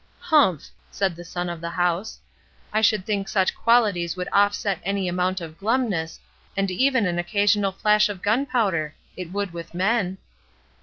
''Humph!" said the son of the house, "I should think such quaUties would offset any amount of glumness, and even an occasional flash of gunpowder. It would with men."